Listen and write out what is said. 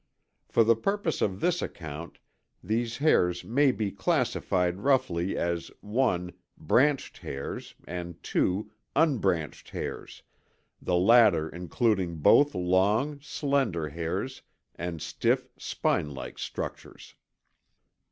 For the purposes of this account these hairs may be classified roughly as (1) branched hairs and (2) unbranched hairs, the latter including both long, slender hairs and stiff, spinelike structures.